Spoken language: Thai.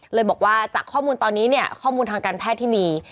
เลยบอกว่าจากข้อมูลตอนนี้เนี่ยข้อมูลทางการแพทย์ที่มี